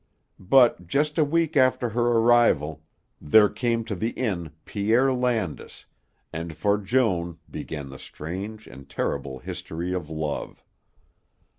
But, just a week after her arrival, there came to the inn Pierre Landis and for Joan began the strange and terrible history of love.